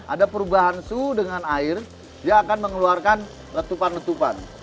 ada perubahan suhu dengan air dia akan mengeluarkan letupan letupan